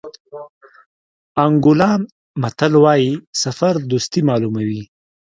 انګولا متل وایي سفر دوستي معلوموي.